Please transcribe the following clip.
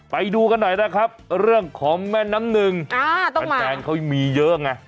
ไปดูกันหน่อยนะครับเรื่องของแม่น้ำนึงอ่าต้องมาแปลงแปลงเขามีเยอะไง